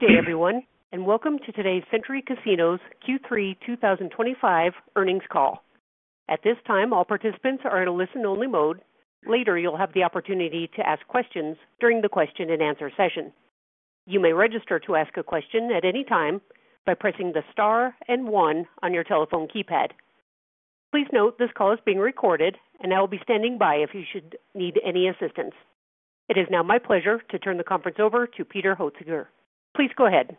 Good day, everyone, and welcome to today's Century Casinos Q3 2025 earnings call. At this time, all participants are in a listen-only mode. Later, you'll have the opportunity to ask questions during the question-and-answer session. You may register to ask a question at any time by pressing the star and one on your telephone keypad. Please note this call is being recorded, and I will be standing by if you should need any assistance. It is now my pleasure to turn the conference over to Peter Hoetzinger. Please go ahead.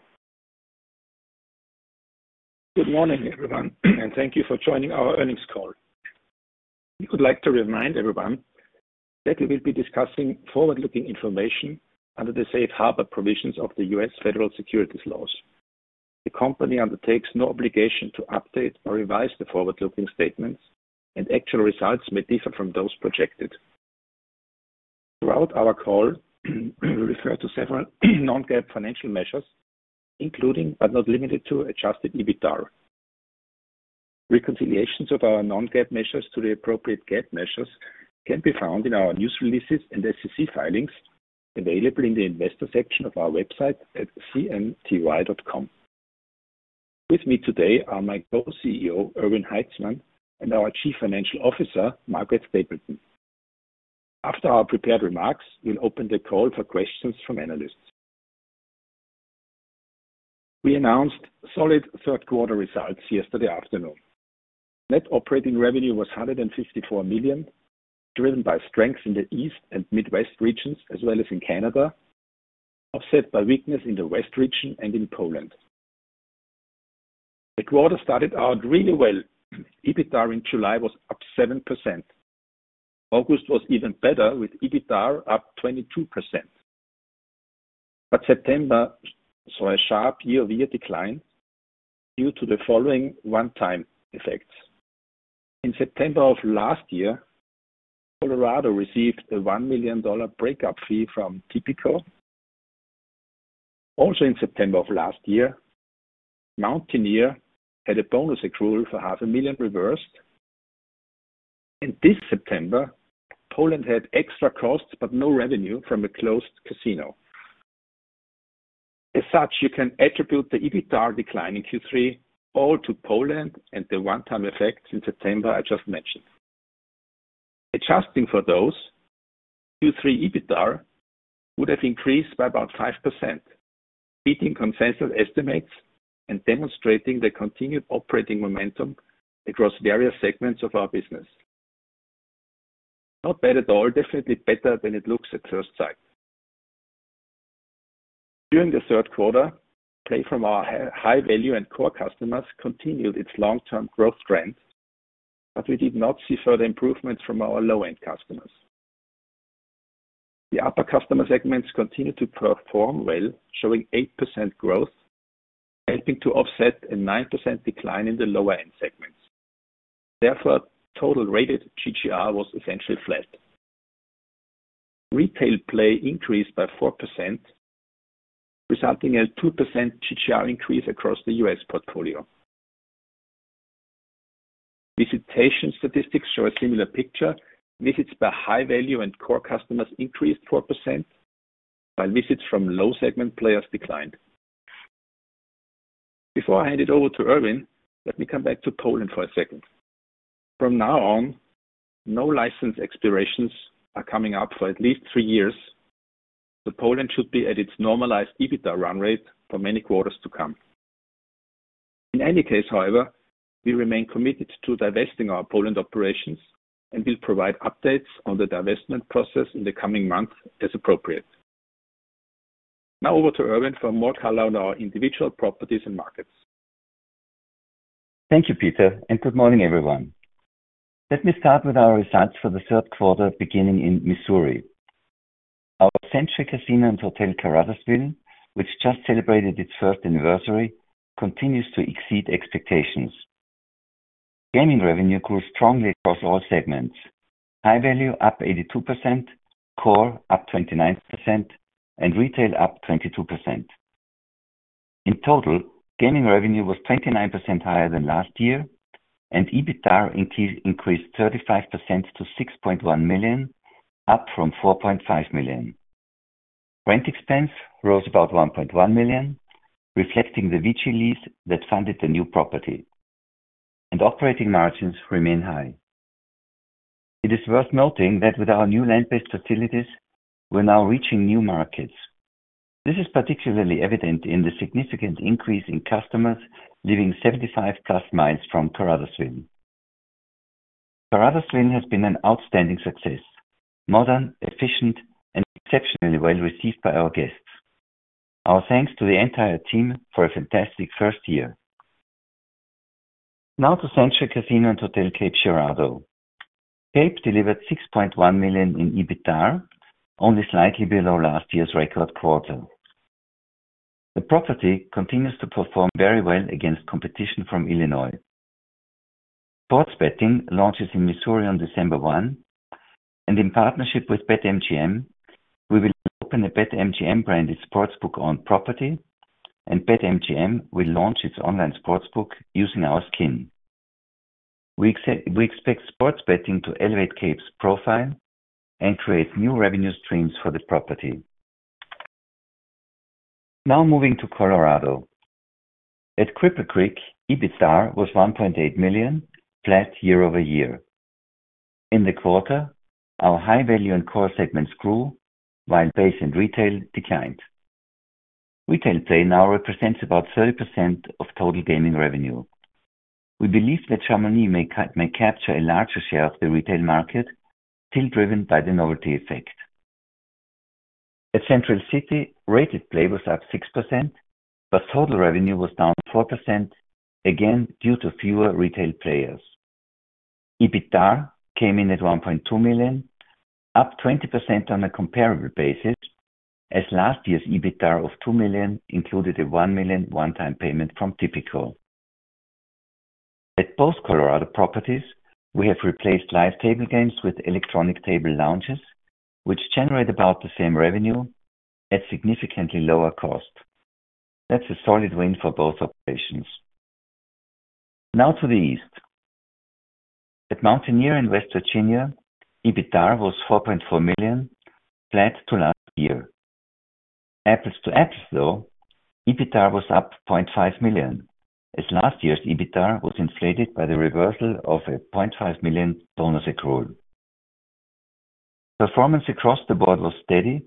Good morning, everyone, and thank you for joining our earnings call. We would like to remind everyone that we will be discussing forward-looking information under the Sfe Harbor provisions of the U.S. federal securities laws. The company undertakes no obligation to update or revise the forward-looking statements, and actual results may differ from those projected. Throughout our call, we refer to several non-GAAP financial measures, including, but not limited to, Adjusted EBITDA. Reconciliations of our non-GAAP measures to the appropriate GAAP measures can be found in our news releases and SEC filings available in the investor section of our website at cny.com. With me today are my Co-CEO, Erwin Haitzmann, and our Chief Financial Officer, Margaret Stapleton. After our prepared remarks, we'll open the call for questions from analysts. We announced solid third-quarter results yesterday afternoon. Net operating revenue was $154 million, driven by strength in the East and Midwest regions, as well as in Canada, offset by weakness in the West region and in Poland. The quarter started out really well. EBITDA in July was up 7%. August was even better, with EBITDA up 22%. September saw a sharp year-over-year decline due to the following one-time effects. In September of last year, Colorado received a $1 million breakup fee from Tipico. Also in September of last year, Mountaineer had a bonus accrual for $500,000 reversed. This September, Poland had extra costs but no revenue from a closed casino. As such, you can attribute the EBITDA decline in Q3 all to Poland and the one-time effects in September I just mentioned. Adjusting for those, Q3 EBITDA would have increased by about 5%, beating consensus estimates and demonstrating the continued operating momentum across various segments of our business. Not bad at all, definitely better than it looks at first sight. During the third quarter, the play from our high-value and core customers continued its long-term growth trend, but we did not see further improvements from our low-end customers. The upper customer segments continued to perform well, showing 8% growth, helping to offset a 9% decline in the lower-end segments. Therefore, total rated GGR was essentially flat. Retail play increased by 4%, resulting in a 2% GGR increase across the U.S. portfolio. Visitation statistics show a similar picture. Visits by high-value and core customers increased 4%, while visits from low-segment players declined. Before I hand it over to Erwin, let me come back to Poland for a second. From now on, no license expirations are coming up for at least three years, so Poland should be at its normalized EBITDA run rate for many quarters to come. In any case, however, we remain committed to divesting our Poland operations and will provide updates on the divestment process in the coming months as appropriate. Now over to Erwin for more color on our individual properties and markets. Thank you, Peter, and good morning, everyone. Let me start with our results for the third quarter beginning in Missouri. Our Century Casino & Hotel Caruthersville which just celebrated its first anniversary, continues to exceed expectations. Gaming revenue grew strongly across all segments: high-value up 82%, core up 29%, and retail up 22%. In total, gaming revenue was 29% higher than last year, and EBITDA increased 35% to $6.1 million, up from $4.5 million. Rent expense rose about $1.1 million, reflecting the VG lease that funded the new property, and operating margins remain high. It is worth noting that with our new land-based facilities, we're now reaching new markets. This is particularly evident in the significant increase in customers leaving 75+ mi from Caruthersville. Caruthersville has been an outstanding success, modern, efficient, and exceptionally well-received by our guests. Our thanks to the entire team for a fantastic first year. Now to Century Casinos & Hotel Cape Girardeau. Cape delivered $6.1 million in EBITDA, only slightly below last year's record quarter. The property continues to perform very well against competition from Illinois. Sports betting launches in Missouri on December 1, and in partnership with BetMGM, we will open a BetMGM-branded sportsbook on property, and BetMGM will launch its online sportsbook using our skin. We expect sports betting to elevate Cape's profile and create new revenue streams for the property. Now moving to Colorado. At Cripple Creek, EBITDA was $1.8 million, flat year-over-year. In the quarter, our high-value and core segments grew, while base and retail declined. Retail play now represents about 30% of total gaming revenue. We believe that Chamonix may capture a larger share of the retail market, still driven by the novelty effect. At Century City, rated play was up 6%, but total revenue was down 4%, again due to fewer retail players. EBITDA came in at $1.2 million, up 20% on a comparable basis, as last year's EBITDA of $2 million included a $1 million one-time payment from Tipico. At both Colorado properties, we have replaced live table games with electronic table lounges, which generate about the same revenue at significantly lower cost. That's a solid win for both operations. Now to the East. At Mountaineer in West Virginia, EBITDA was $4.4 million, flat to last year. Apples to apples, though, EBITDA was up $500,000, as last year's EBITDA was inflated by the reversal of a $500,000 bonus accrual. Performance across the board was steady,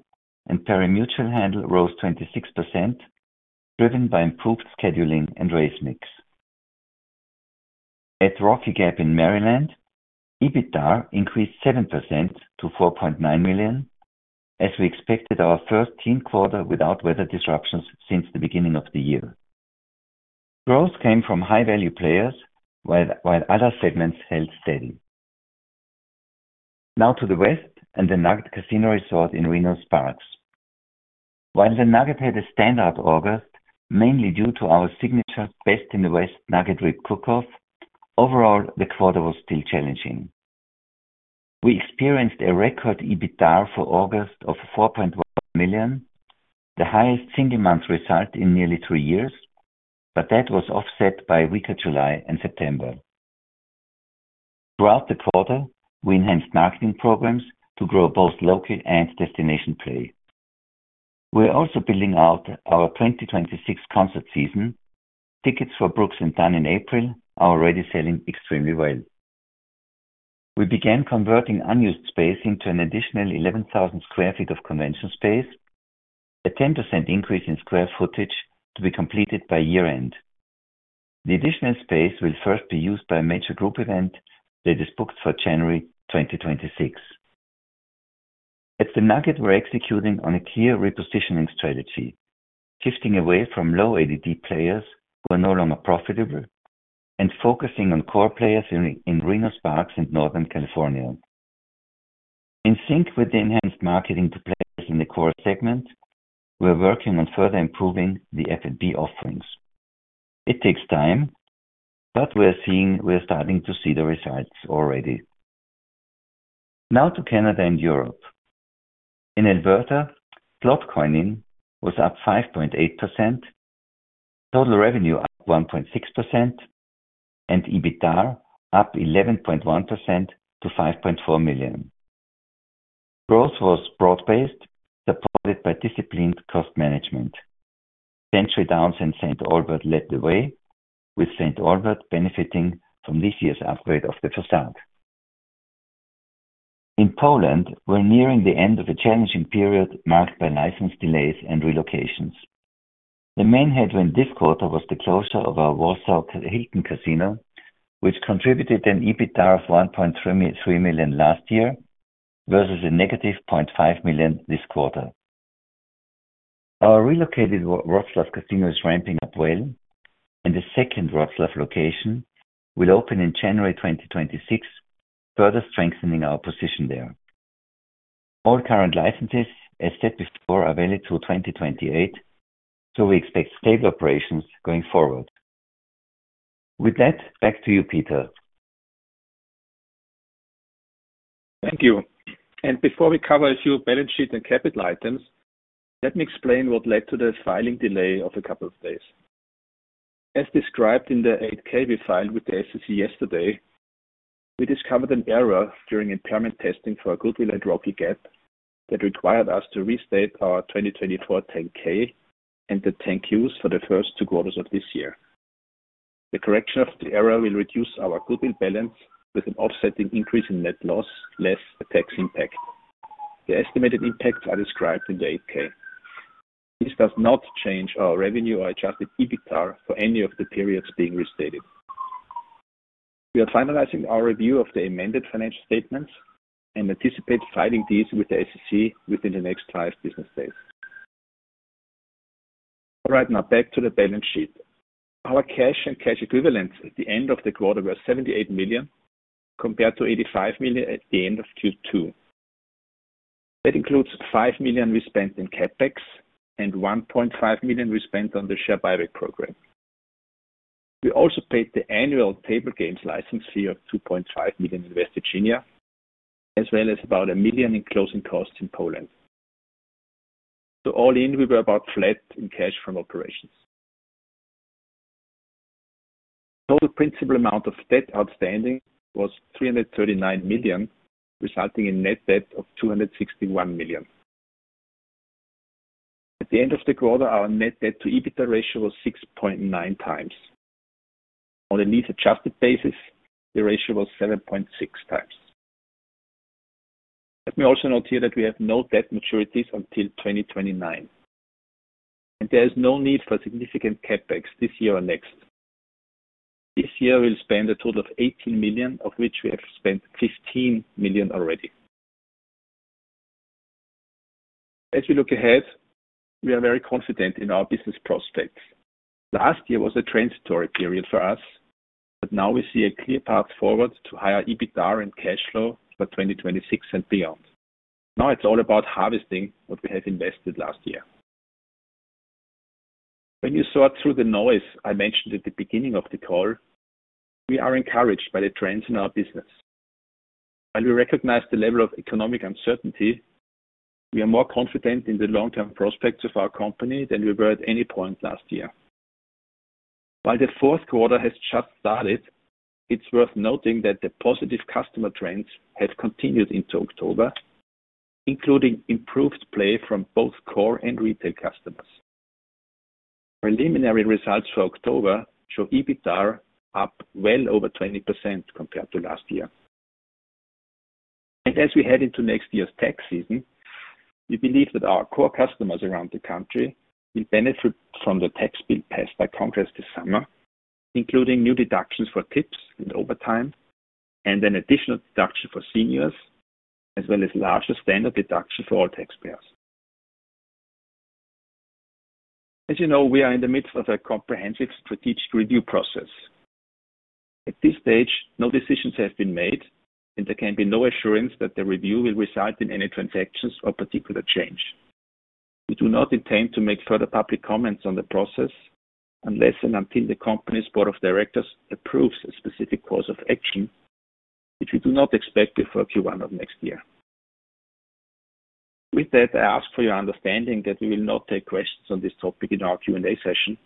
and parimutuel handle rose 26%, driven by improved scheduling and race mix. At Rocky Gap in Maryland, EBITDA increased 7% to $4.9 million, as we expected our first team quarter without weather disruptions since the beginning of the year. Growth came from high-value players, while other segments held steady. Now to the West and the Nugget Casino Resort in Reno-Sparks. While the Nugget had a standout August, mainly due to our signature Best-in-the-West Nugget Rib Cook-off, overall, the quarter was still challenging. We experienced a record EBITDA for August of $4.1 million, the highest single-month result in nearly three years, but that was offset by weaker July and September. Throughout the quarter, we enhanced marketing programs to grow both local and destination play. We're also building out our 2026 concert season. Tickets for Brooks & Dunn in April are already selling extremely well. We began converting unused space into an additional 11,000 sq ft of convention space, a 10% increase in square footage to be completed by year-end. The additional space will first be used by a major group event that is booked for January 2026. At the Nugget, we're executing on a clear repositioning strategy, shifting away from low-ADD players who are no longer profitable and focusing on core players in Reno-Sparks and Northern California. In sync with the enhanced marketing to players in the core segment, we're working on further improving the F&B offerings. It takes time, but we're starting to see the results already. Now to Canada and Europe. In Alberta, slot coining was up 5.8%, total revenue up 1.6%, and EBITDA up 11.1% to $5.4 million. Growth was broad-based, supported by disciplined cost management. Century Downs and St. Albert led the way, with St. Albert benefiting from this year's upgrade of the facade. In Poland, we're nearing the end of a challenging period marked by license delays and relocations. The main headwind this quarter was the closure of our Warsaw Hilton Casino, which contributed an EBITDA of $1.3 million last year versus a negative $0.5 million this quarter. Our relocated Wrocław Casino is ramping up well, and the second Wrocław location will open in January 2026, further strengthening our position there. All current licenses, as said before, are valid through 2028, so we expect stable operations going forward. With that, back to you, Peter. Thank you. Before we cover a few balance sheet and capital items, let me explain what led to the filing delay of a couple of days. As described in the 8-K we filed with the SEC yesterday, we discovered an error during impairment testing for goodwill at Rocky Gap that required us to restate our 2024 10-K and the 10-Qs for the first two quarters of this year. The correction of the error will reduce our goodwill balance with an offsetting increase in net loss less the tax impact. The estimated impacts are described in the 8-K. This does not change our revenue or Adjusted EBITDA for any of the periods being restated. We are finalizing our review of the amended financial statements and anticipate filing these with the SEC within the next five business days. All right, now back to the balance sheet. Our cash and cash equivalents at the end of the quarter were $78 million compared to $85 million at the end of Q2. That includes $5 million we spent in CapEx and $1.5 million we spent on the share buyback program. We also paid the annual table games license fee of $2.5 million in West Virginia, as well as about $1 million in closing costs in Poland. All in, we were about flat in cash from operations. The total principal amount of debt outstanding was $339 million, resulting in net debt of $261 million. At the end of the quarter, our net debt-to-EBITDA ratio was 6.9x. On a lease-adjusted basis, the ratio was 7.6x. Let me also note here that we have no debt maturities until 2029, and there is no need for significant CapEx this year or next. This year, we'll spend a total of $18 million, of which we have spent $15 million already. As we look ahead, we are very confident in our business prospects. Last year was a transitory period for us, but now we see a clear path forward to higher EBITDA and cash flow for 2026 and beyond. Now it's all about harvesting what we have invested last year. When you saw through the noise I mentioned at the beginning of the call, we are encouraged by the trends in our business. While we recognize the level of economic uncertainty, we are more confident in the long-term prospects of our company than we were at any point last year. While the fourth quarter has just started, it's worth noting that the positive customer trends have continued into October, including improved play from both core and retail customers. Preliminary results for October show EBITDA up well over 20% compared to last year. As we head into next year's tax season, we believe that our core customers around the country will benefit from the tax bill passed by Congress this summer, including new deductions for tips and overtime, and an additional deduction for seniors, as well as a larger standard deduction for all taxpayers. As you know, we are in the midst of a comprehensive strategic review process. At this stage, no decisions have been made, and there can be no assurance that the review will result in any transactions or particular change. We do not intend to make further public comments on the process unless and until the company's board of directors approves a specific course of action, which we do not expect before Q1 of next year. With that, I ask for your understanding that we will not take questions on this topic in our Q&A session,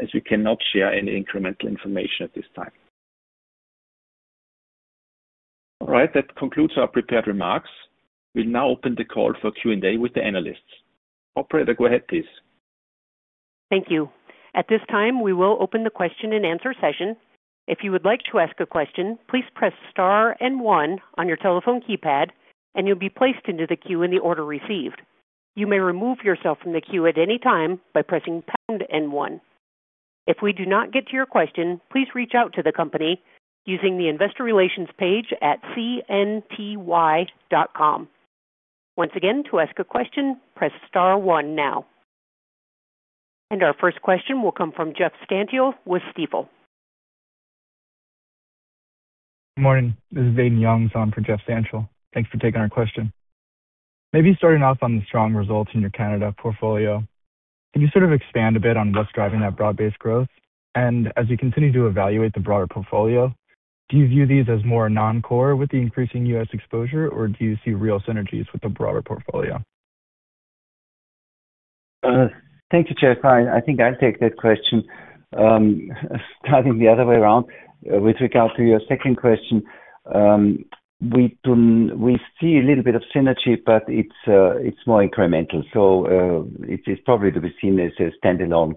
as we cannot share any incremental information at this time. All right, that concludes our prepared remarks. We'll now open the call for Q&A with the analysts. Operator, go ahead, please. Thank you. At this time, we will open the question-and-answer session. If you would like to ask a question, please press star and one on your telephone keypad, and you'll be placed into the queue in the order received. You may remove yourself from the queue at any time by pressing pound and one. If we do not get to your question, please reach out to the company using the Investor Relations page at cnty.com. Once again, to ask a question, press star one now. Our first question will come from Jeff Stantial with Stifel. Good morning. This is Aidan Youngs on for Jeff Stantial. Thanks for taking our question. Maybe starting off on the strong results in your Canada portfolio, can you sort of expand a bit on what's driving that broad-based growth? As you continue to evaluate the broader portfolio, do you view these as more non-core with the increasing U.S. exposure, or do you see real synergies with the broader portfolio? Thank you, Jeff. I think I'll take that question starting the other way around. With regard to your second question, we see a little bit of synergy, but it's more incremental. It is probably to be seen as a standalone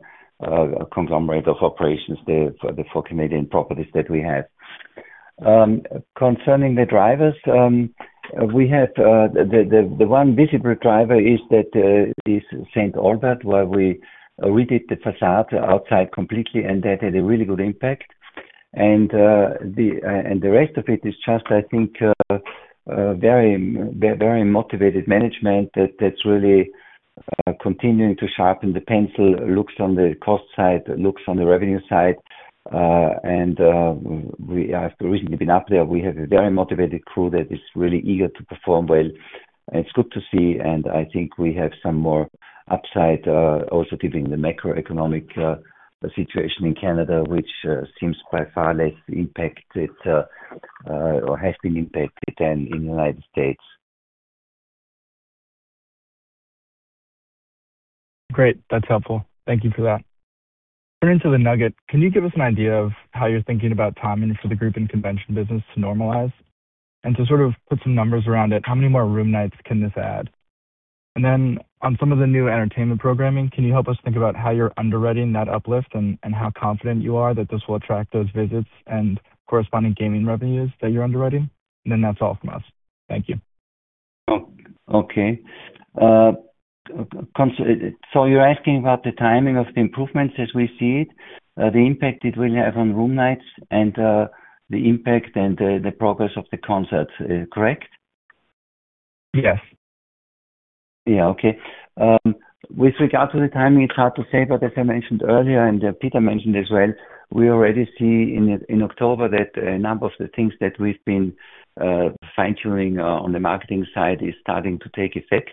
conglomerate of operations for the four Canadian properties that we have. Concerning the drivers, the one visible driver is St. Albert, where we redid the facade outside completely, and that had a really good impact. The rest of it is just, I think, very motivated management that's really continuing to sharpen the pencil, looks on the cost side, looks on the revenue side. We have recently been up there. We have a very motivated crew that is really eager to perform well. It's good to see, and I think we have some more upside also given the macroeconomic situation in Canada, which seems by far less impacted or has been impacted than in the United States. Great. That's helpful. Thank you for that. Turning to the Nugget, can you give us an idea of how you're thinking about timing for the group and convention business to normalize? To sort of put some numbers around it, how many more room nights can this add? On some of the new entertainment programming, can you help us think about how you're underwriting that uplift and how confident you are that this will attract those visits and corresponding gaming revenues that you're underwriting? That's all from us. Thank you. Okay. So you're asking about the timing of the improvements as we see it, the impact it will have on room nights and the impact and the progress of the concerts, correct? Yes. Yeah. Okay. With regard to the timing, it's hard to say, but as I mentioned earlier, and Peter mentioned as well, we already see in October that a number of the things that we've been fine-tuning on the marketing side is starting to take effect.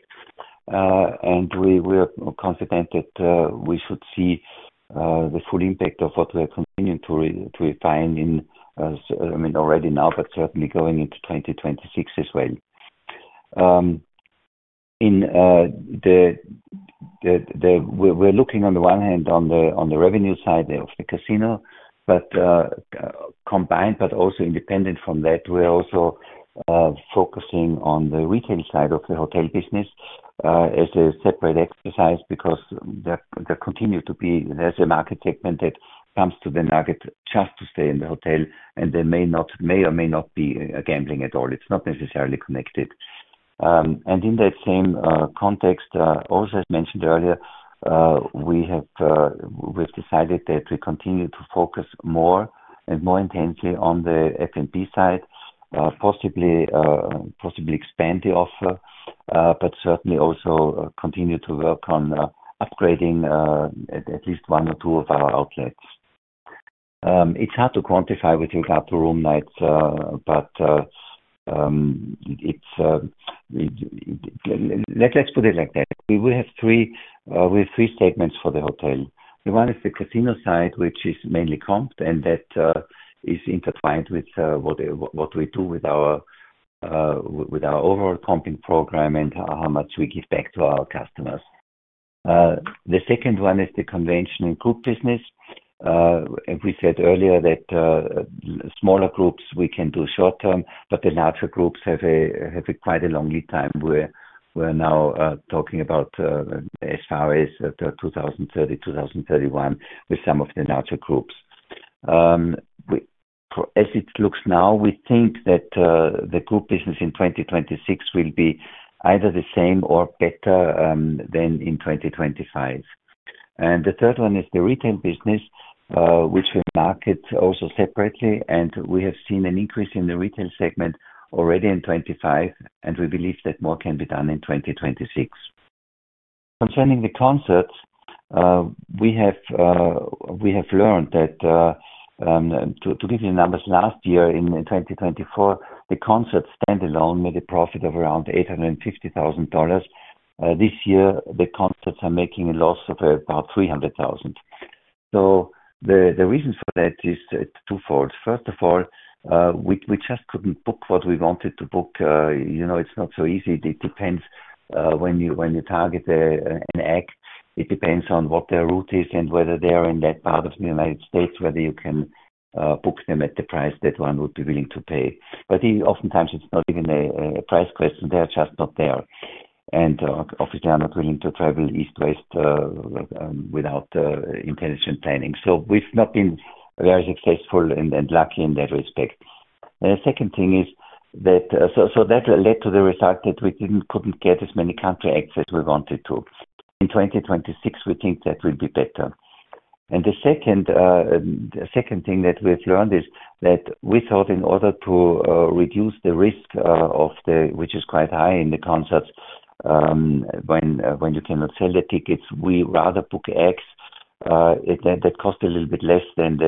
We are confident that we should see the full impact of what we are continuing to refine in, I mean, already now, but certainly going into 2026 as well. We're looking on the one hand on the revenue side of the casino, but combined, but also independent from that, we're also focusing on the retail side of the hotel business as a separate exercise because there continue to be there's a market segment that comes to the Nugget just to stay in the hotel, and there may or may not be gambling at all. It's not necessarily connected. In that same context, also as mentioned earlier, we have decided that we continue to focus more and more intensely on the F&B side, possibly expand the offer, but certainly also continue to work on upgrading at least one or two of our outlets. It is hard to quantify with regard to room nights, but let us put it like that. We will have three statements for the hotel. The one is the casino side, which is mainly comped, and that is intertwined with what we do with our overall comping program and how much we give back to our customers. The second one is the convention and group business. We said earlier that smaller groups we can do short-term, but the larger groups have quite a long lead time. We are now talking about as far as 2030, 2031 with some of the larger groups. As it looks now, we think that the group business in 2026 will be either the same or better than in 2025. The third one is the retail business, which we market also separately, and we have seen an increase in the retail segment already in 2025, and we believe that more can be done in 2026. Concerning the concerts, we have learned that to give you numbers, last year in 2024, the concerts standalone made a profit of around $850,000. This year, the concerts are making a loss of about $300,000. The reason for that is twofold. First of all, we just could not book what we wanted to book. It is not so easy. It depends when you target an act. It depends on what their route is and whether they are in that part of the United States where you can book them at the price that one would be willing to pay. Oftentimes, it is not even a price question. They are just not there. Obviously, I am not willing to travel east-west without intelligent planning. We have not been very successful and lucky in that respect. The second thing is that led to the result that we could not get as many country acts as we wanted to. In 2026, we think that will be better. The second thing that we have learned is that we thought in order to reduce the risk, which is quite high in the concerts when you cannot sell the tickets, we would rather book acts that cost a little bit less than,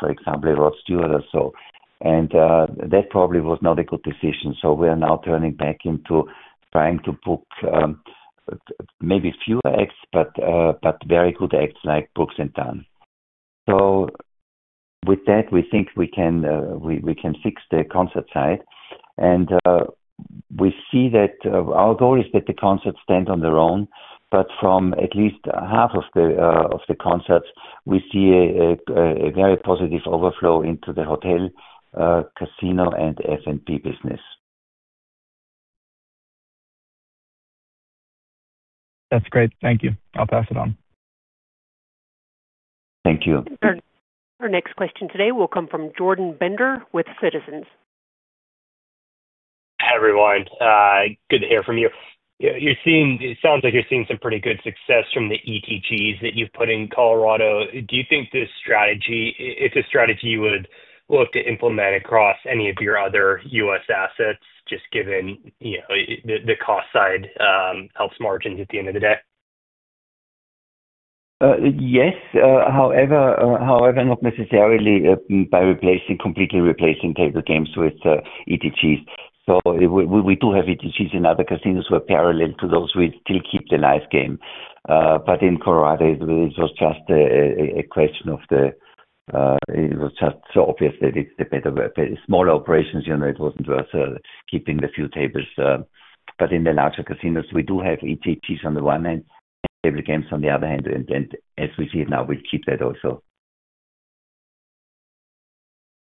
for example, a Rod Stewart or so. That probably was not a good decision. We are now turning back into trying to book maybe fewer acts, but very good acts like Brooks & Dunn. With that, we think we can fix the concert side. We see that our goal is that the concerts stand on their own, but from at least half of the concerts, we see a very positive overflow into the hotel, casino, and F&B business. That's great. Thank you. I'll pass it on. Thank you. Our next question today will come from Jordan Bender with Citizens. Hi everyone. Good to hear from you. It sounds like you're seeing some pretty good success from the ETGs that you've put in Colorado. Do you think this strategy is a strategy you would look to implement across any of your other U.S. assets, just given the cost side helps margins at the end of the day? Yes. However, not necessarily by completely replacing table games with ETGs. We do have ETGs in other casinos where, parallel to those, we still keep the nice game. In Colorado, it was just a question of the—it was just so obvious that it's the better small operations. It was not worth keeping the few tables. In the larger casinos, we do have ETGs on the one hand and table games on the other hand. As we see it now, we keep that also.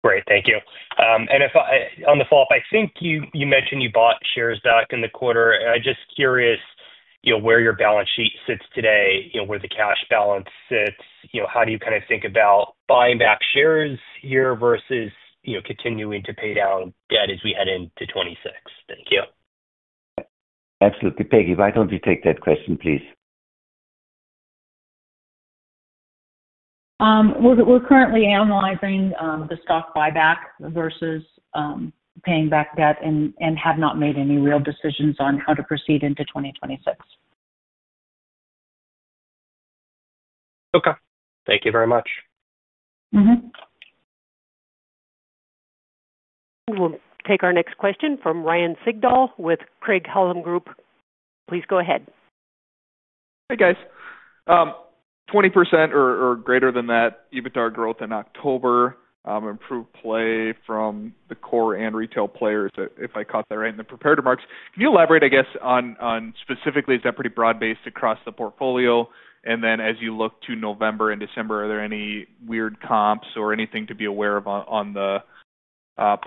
Great. Thank you. On the follow-up, I think you mentioned you bought shares back in the quarter. I'm just curious where your balance sheet sits today, where the cash balance sits. How do you kind of think about buying back shares here versus continuing to pay down debt as we head into 2026? Thank you. Absolutely. Peggy, why don't you take that question, please? We're currently analyzing the stock buyback versus paying back debt and have not made any real decisions on how to proceed into 2026. Okay. Thank you very much. We will take our next question from Ryan Sigdahl with Craig-Hallum Group. Please go ahead. Hey, guys. 20% or greater than that, even with our growth in October, improved play from the core and retail players, if I caught that right in the prepared remarks. Can you elaborate, I guess, on specifically is that pretty broad-based across the portfolio? As you look to November and December, are there any weird comps or anything to be aware of on the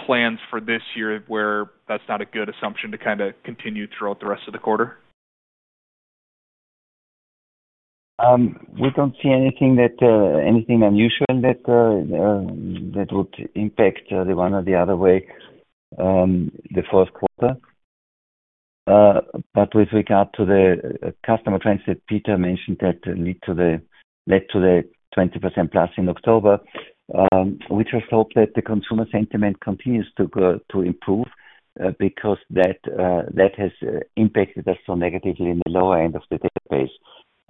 plans for this year where that's not a good assumption to kind of continue throughout the rest of the quarter? We do not see anything unusual that would impact the one or the other way the first quarter. With regard to the customer trends that Peter mentioned that led to the 20%+ in October, we just hope that the consumer sentiment continues to improve because that has impacted us so negatively in the lower end of the database.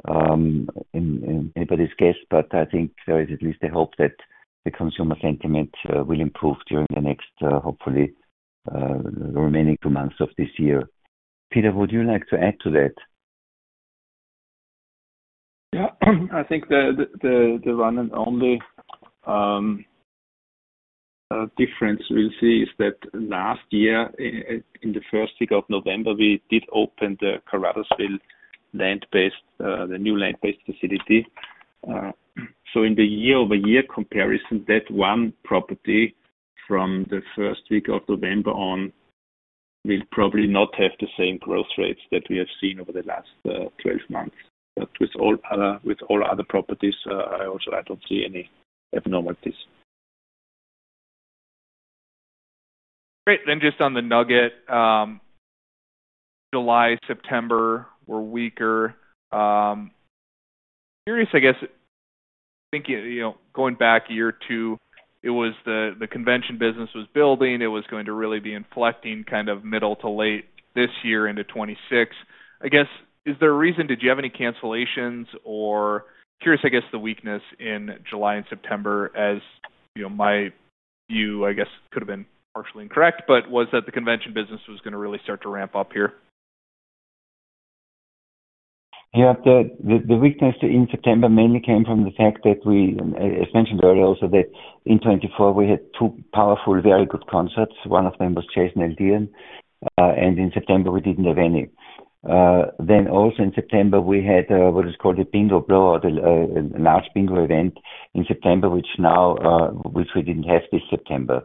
Anybody's guess, but I think there is at least a hope that the consumer sentiment will improve during the next, hopefully, remaining two months of this year. Peter, would you like to add to that? Yeah. I think the one and only difference we'll see is that last year, in the first week of November, we did open the Caruthersville land-based, the new land-based facility. In the year-over-year comparison, that one property from the first week of November on will probably not have the same growth rates that we have seen over the last 12 months. With all other properties, I don't see any abnormalities. Great. Just on the Nugget, July, September were weaker. Curious, I guess, thinking going back a year or two, it was the convention business was building. It was going to really be inflecting kind of middle to late this year into 2026. I guess, is there a reason? Did you have any cancellations? Or curious, I guess, the weakness in July and September, as my view, I guess, could have been partially incorrect, but was that the convention business was going to really start to ramp up here? Yeah. The weakness in September mainly came from the fact that we, as mentioned earlier, also that in 2024, we had two powerful, very good concerts. One of them was Chase and Eldion. In September, we did not have any. Also in September, we had what is called a bingo blow, a large bingo event in September, which we did not have this September.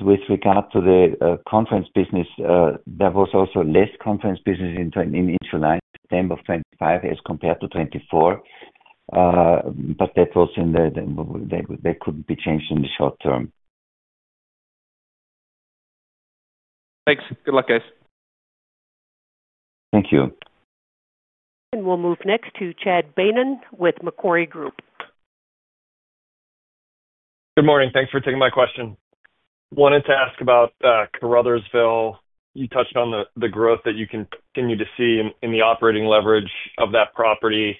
With regard to the conference business, there was also less conference business in July and September of 2025 as compared to 2024. That could not be changed in the short term. Thanks. Good luck, guys. Thank you. We will move next to Chad Beynon with Macquarie Group. Good morning. Thanks for taking my question. Wanted to ask about Caruthersville. You touched on the growth that you continue to see in the operating leverage of that property.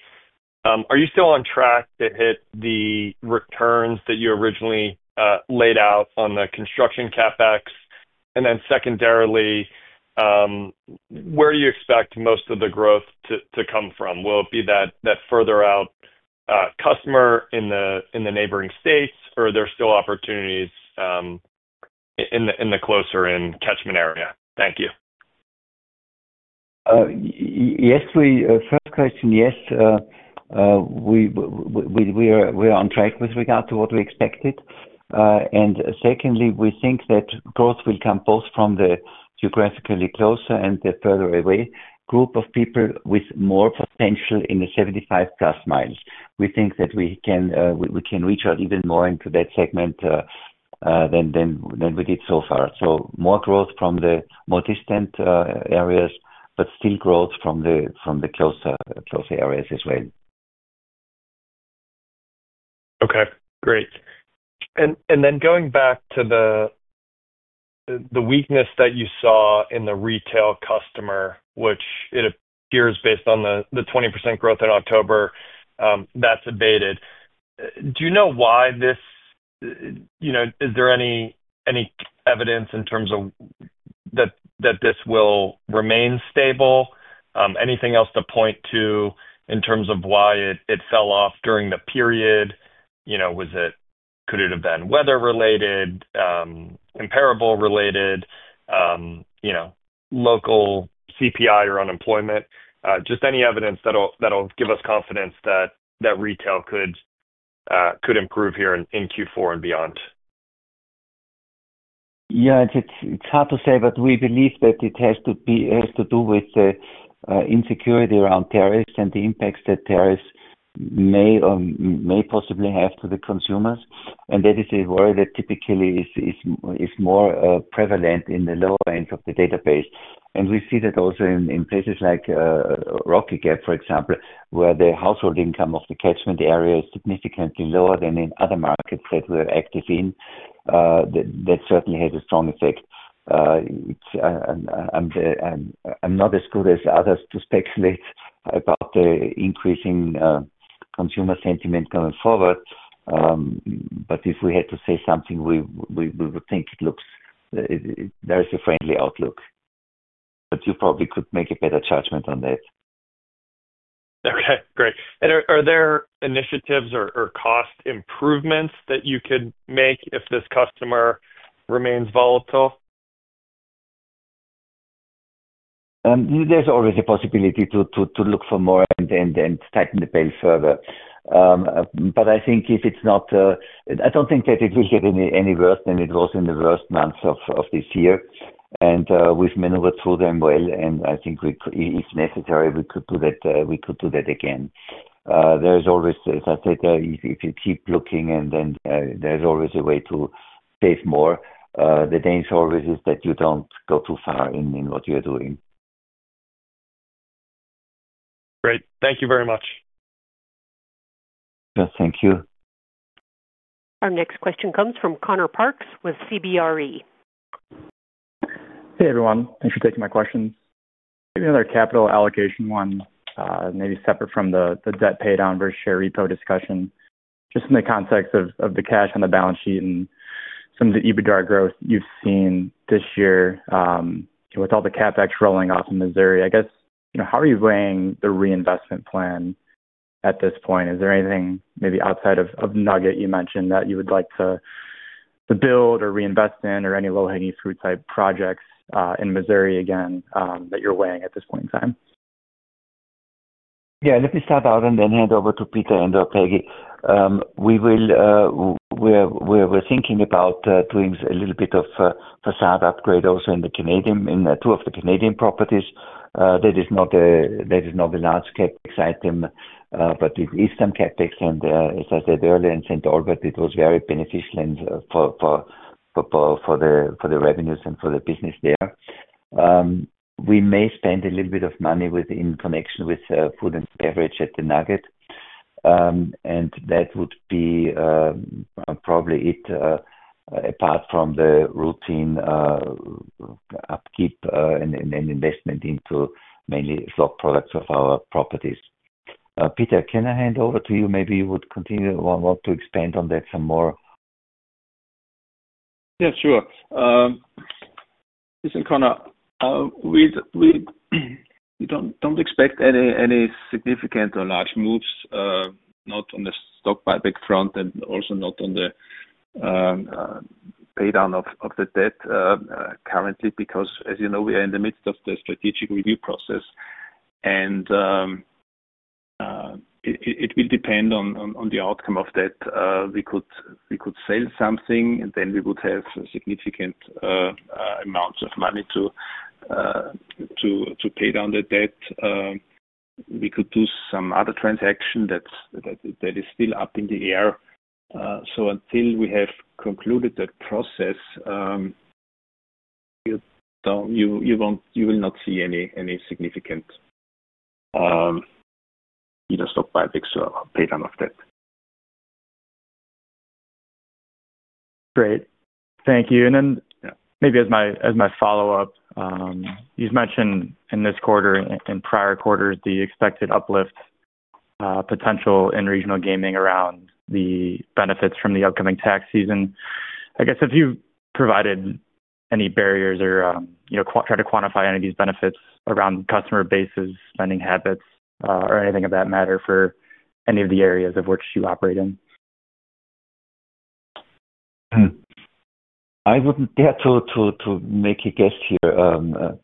Are you still on track to hit the returns that you originally laid out on the construction CapEx? And then secondarily, where do you expect most of the growth to come from? Will it be that further out customer in the neighboring states, or are there still opportunities in the closer-in catchment area? Thank you. Yes. First question, yes. We are on track with regard to what we expected. Secondly, we think that growth will come both from the geographically closer and the further away group of people with more potential in the 75+ mi. We think that we can reach out even more into that segment than we did so far. More growth from the more distant areas, but still growth from the closer areas as well. Okay. Great. Then going back to the weakness that you saw in the retail customer, which it appears based on the 20% growth in October, that's abated. Do you know why this is? Is there any evidence in terms of that this will remain stable? Anything else to point to in terms of why it fell off during the period? Could it have been weather-related, comparable-related, local CPI or unemployment? Just any evidence that'll give us confidence that retail could improve here in Q4 and beyond? Yeah. It's hard to say, but we believe that it has to do with the insecurity around tariffs and the impacts that tariffs may possibly have to the consumers. That is a worry that typically is more prevalent in the lower end of the database. We see that also in places like Rocky Gap, for example, where the household income of the catchment area is significantly lower than in other markets that we're active in. That certainly has a strong effect. I'm not as good as others to speculate about the increasing consumer sentiment going forward. If we had to say something, we would think there is a friendly outlook. You probably could make a better judgment on that. Great. Are there initiatives or cost improvements that you could make if this customer remains volatile? There's always a possibility to look for more and tighten the belt further. I think if it's not, I don't think that it will get any worse than it was in the first months of this year. We've maneuvered through them well. I think if necessary, we could do that again. There is always, as I said, if you keep looking, then there's always a way to save more. The danger always is that you don't go too far in what you're doing. Great. Thank you very much. Thank you. Our next question comes from Connor Parks with CBRE. Hey, everyone. Thanks for taking my questions. Maybe another capital allocation one, maybe separate from the debt paid down versus share repo discussion. Just in the context of the cash on the balance sheet and some of the EBITDA growth you've seen this year with all the CapEx rolling off in Missouri, I guess, how are you weighing the reinvestment plan at this point? Is there anything maybe outside of Nugget you mentioned that you would like to build or reinvest in or any low-hanging fruit type projects in Missouri again that you're weighing at this point in time? Yeah. Let me start out and then hand over to Peter and Peggy. We were thinking about doing a little bit of a facade upgrade also in two of the Canadian properties. That is not a large CapEx item, but it is some CapEx. As I said earlier, in St. Albert, it was very beneficial for the revenues and for the business there. We may spend a little bit of money in connection with food and beverage at the Nugget. That would be probably it apart from the routine upkeep and investment into mainly stock products of our properties. Peter, can I hand over to you? Maybe you would continue or want to expand on that some more? Yeah, sure. Listen, Connor, we do not expect any significant or large moves, not on the stock buyback front and also not on the paydown of the debt currently because, as you know, we are in the midst of the strategic review process. It will depend on the outcome of that. We could sell something, then we would have significant amounts of money to pay down the debt. We could do some other transaction that is still up in the air. Until we have concluded that process, you will not see any significant either stock buybacks or paydown of debt. Great. Thank you. Maybe as my follow-up, you've mentioned in this quarter and prior quarters the expected uplift potential in regional gaming around the benefits from the upcoming tax season. I guess, have you provided any barriers or tried to quantify any of these benefits around customer bases, spending habits, or anything of that matter for any of the areas of which you operate in? I wouldn't dare to make a guess here.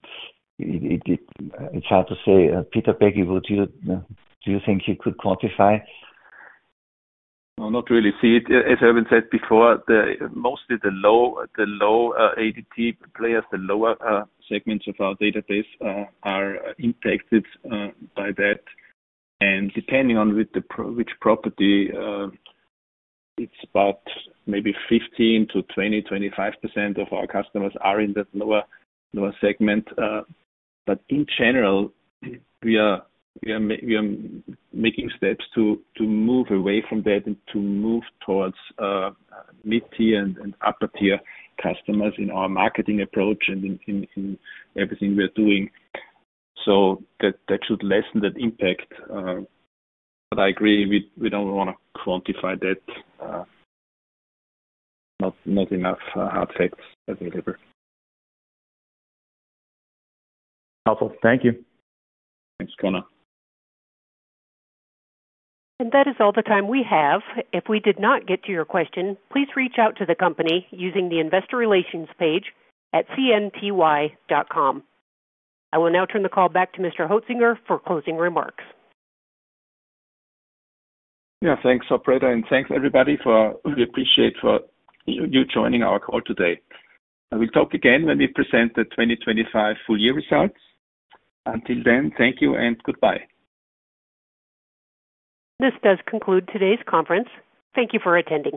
It's hard to say. Peter, Peggy, do you think you could quantify? No, not really. See, as Erwin said before, mostly the low ADT players, the lower segments of our database are impacted by that. Depending on which property, it's about maybe 15%-20%, 25% of our customers are in the lower segment. In general, we are making steps to move away from that and to move towards mid-tier and upper-tier customers in our marketing approach and in everything we are doing. That should lessen that impact. I agree, we don't want to quantify that. Not enough hard facts available. Awesome. Thank you. Thanks, Connor. That is all the time we have. If we did not get to your question, please reach out to the company using the Investor Relations page at cnyt.com. I will now turn the call back to Mr. Hoetzinger for closing remarks. Yeah. Thanks, operator. Thanks, everybody. We appreciate you joining our call today. We'll talk again when we present the 2025 full year results. Until then, thank you and goodbye. This does conclude today's conference. Thank you for attending.